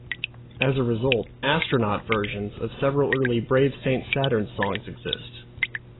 As a result, "Astronaut Versions" of several early Brave Saint Saturn songs exist.